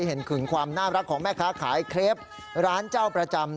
เห็นถึงความน่ารักของแม่ค้าขายเครปร้านเจ้าประจำ